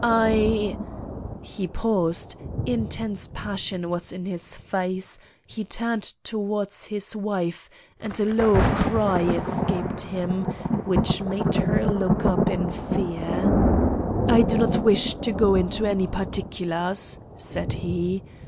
I——" He paused; intense passion was in his face; he turned towards his wife, and a low cry escaped him, which made her look up in fear. "I do not wish to go into any particulars," said he.